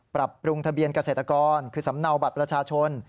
ปรับปรุงทะเบียนเกษตรกรคือสำเนาบัตรประชาชน